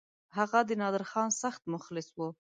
هغه د نادرخان سخت مخلص وو.